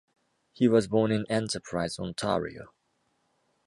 He was born in Enterprise, Ontario.